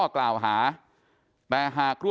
กล่าวหาแต่หาก